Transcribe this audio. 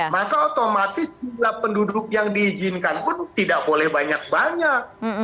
maka otomatis penduduk yang diizinkan pun tidak boleh banyak banyak